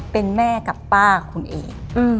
เป็นแม่กับป้าคุณเอก